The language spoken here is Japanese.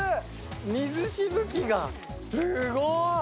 水しぶきがすごい。